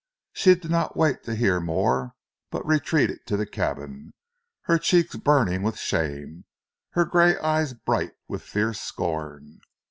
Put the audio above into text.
She did not wait to hear more, but retreated to the cabin, her cheeks burning with shame, her grey eyes bright with fierce scorn.